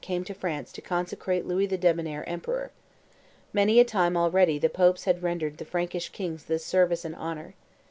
came to France to consecrate Louis the Debonnair emperor. Many a time already the Popes had rendered the Frankish kings this service and honor.